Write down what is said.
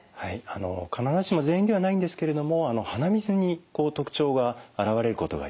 必ずしも全員ではないんですけれども鼻水に特徴が現れることがあります。